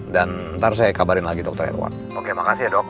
dan ntar saya kabarin lagi dr edward oke makasih ya dok